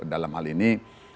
dalam hal ini